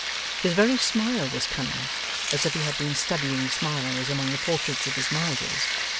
His very smile was cunning, as if he had been studying smiles among the portraits of his misers.